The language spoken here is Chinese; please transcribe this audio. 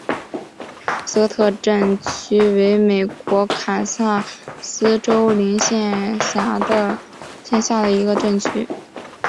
斯科特镇区为美国堪萨斯州林县辖下的镇区。